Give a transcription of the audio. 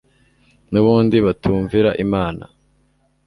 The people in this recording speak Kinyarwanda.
nu bundi batumvira imana